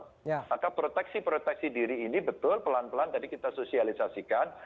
maka proteksi proteksi diri ini betul pelan pelan tadi kita sosialisasikan